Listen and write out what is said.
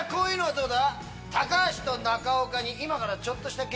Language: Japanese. どうだ？